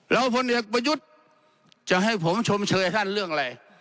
แล้วพลเอกประยุทธ์จะให้ผมชมเชยท่านเรื่องอะไร